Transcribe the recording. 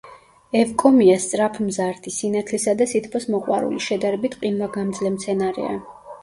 ევკომია სწრაფმზარდი, სინათლისა და სითბოს მოყვარული, შედარებით ყინვაგამძლე მცენარეა.